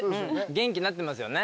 元気になってますよね。